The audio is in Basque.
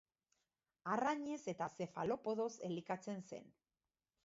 Arrainez eta zefalopodoz elikatzen zen.